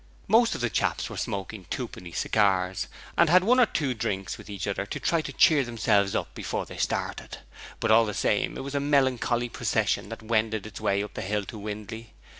Most of the chaps were smoking twopenny cigars, and had one or two drinks with each other to try to cheer themselves up before they started, but all the same it was a melancholy procession that wended its way up the hill to Windley.